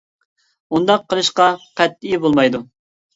ئۇنداق قىلىشقا قەتئىي بولمايدۇ.